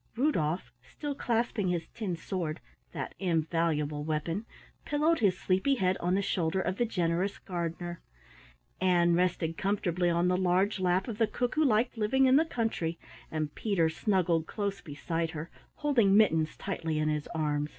Rudolf, still clasping his tin sword that invaluable weapon pillowed his sleepy head on the shoulder of the Generous Gardener. Ann rested comfortably on the large lap of the Cook who liked living in the Country, and Peter snuggled close beside her, holding Mittens tightly in his arms.